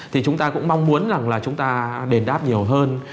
thì chúng ta cũng mong muốn rằng là chúng ta đền đáp nhiều hơn